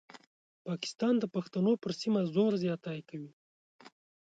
پاکستان د پښتنو پر سیمه زور زیاتی کوي.